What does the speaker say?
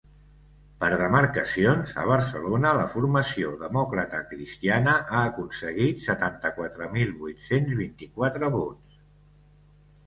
Per demarcacions, a Barcelona la formació democratacristiana ha aconseguit setanta-quatre mil vuit-cents vint-i-quatre vots.